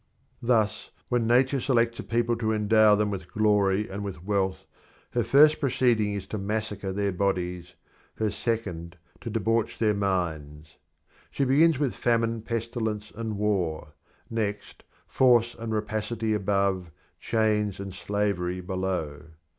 Thus, when Nature selects a people to endow them with glory and with wealth, her first proceeding is to massacre their bodies, her second to debauch their minds. She begins with famine, pestilence and war; next, force and rapacity above, chains and slavery below.